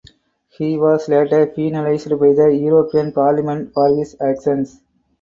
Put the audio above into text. He was later penalised by the European Parliament for his actions.